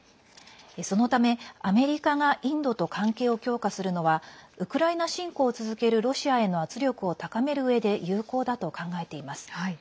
そのため、アメリカがインドと関係を強化するのはウクライナ侵攻を続けるロシアへの圧力を高めるうえで有効だと考えています。